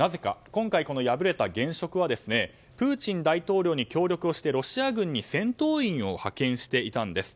今回敗れた現職はプーチン大統領に協力をしてロシア軍に戦闘員を派遣していたんです。